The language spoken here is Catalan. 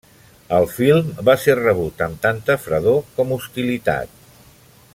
El film va ser rebut amb tanta fredor com hostilitat.